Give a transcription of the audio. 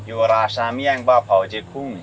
อยู่ราชาเมียงปลาเผาเจ๊กุ้ง